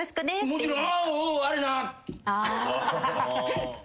もちろん。